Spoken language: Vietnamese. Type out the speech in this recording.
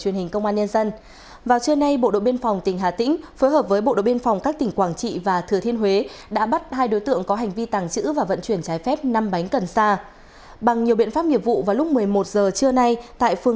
nhiều biện pháp nghiệp vụ vào lúc một mươi một h trưa nay tại phương đúc tp huế